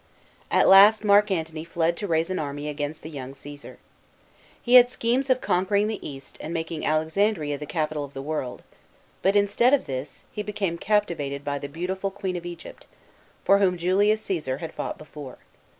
At last Mark Antony fled to raise an army against the young Csesar. He had schemes of conquering the East and making Alexandria the capital of the world ; but instead of this, he be came captivated by the beautiful Queen of Egypt, for whom Julius Cresar had fought before.